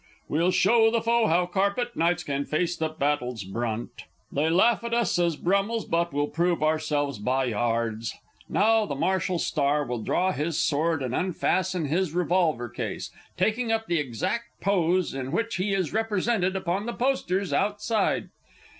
_ We'll show the foe how "Carpet Knights" can face the battle's brunt! They laugh at us as "Brummels" but we'll prove ourselves "Bay yards!" [_Now the Martial Star will draw his sword and unfasten his revolver case, taking up the exact pose in which he is represented upon the posters outside.